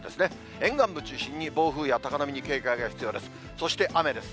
沿岸部中心に、暴風や高波に警戒が必要です。